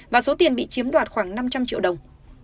và số tiền bị chiếm đoạt khoảng năm trăm linh triệu đồng